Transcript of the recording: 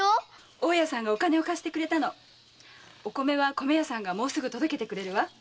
大家さんがお金を貸してくれてお米は米屋さんがもうすぐ届けてくれるわ。